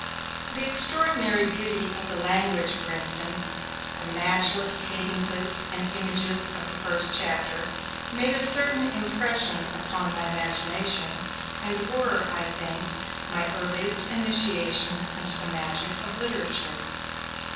The extraordinary beauty of the language for instance, the matchless cadences and images of the first chapter made a certain impression upon my imagination, and were (I think) my earliest initiation into the magic of literature.